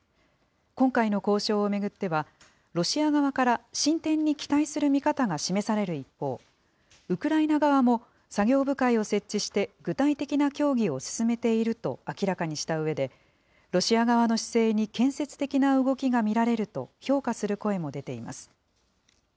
今回の交渉を巡っては、ロシア側から進展に期待する見方が示される一方、ウクライナ側も作業部会を設置して、具体的な協議を進めていると明らかにしたうえで、ロシア側の姿勢に建設的な動きが見られると、評価する声も出ています。